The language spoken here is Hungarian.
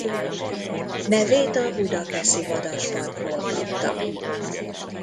Nevét a Budakeszi Vadasparkról kapta.